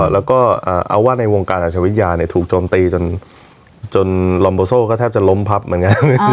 แล้วก็เอาว่าในวงการอาชวิทยาถูกโจมตีจนลอมโบโซ่ก็แทบจะล้มพับเหมือนกัน